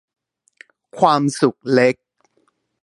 ความสุขเล็ก